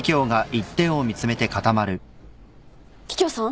桔梗さん？